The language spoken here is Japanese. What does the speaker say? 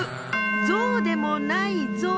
ゾウでもないゾウ。